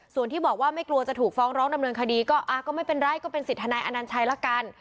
ส่วนที่บอกว่าไม่กลัวจะถูกฟ้องร้องดำเนินคดีก็ไม่เป็นไรก็เป็นสิทธิทนายอนัญชัยละกัน